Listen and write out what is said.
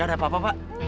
gak ada apa apa pak